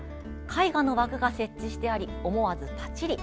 絵画の枠が設置してあり思わずパチリ。